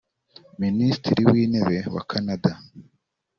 Minisitiri w’Intebe wa Canada